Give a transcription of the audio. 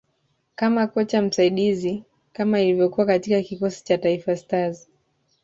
kama kocha msaidizi kama ilivyokuwa katika kikosi cha Taifa Stars